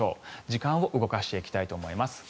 時間を動かしていきたいと思います。